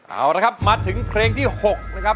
เอาละครับมาถึงเพลงที่๖นะครับ